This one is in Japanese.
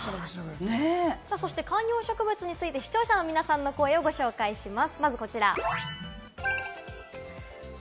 観葉植物について視聴者の皆さんの声をご紹介します。